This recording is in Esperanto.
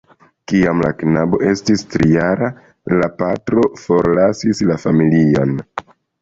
Kiam la knabo estis tri-jara, la patro forlasis la familion.